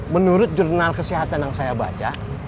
menurut jurnal kesehatan yang saya baca